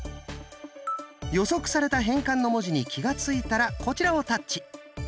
予測された変換の文字に気が付いたらこちらをタッチ。